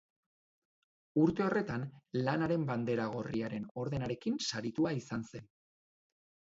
Urte horretan, Lanaren Bandera Gorriaren Ordenarekin saritua izan zen.